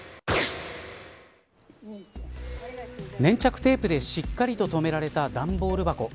粘着テープでしっかりととめられた段ボール箱。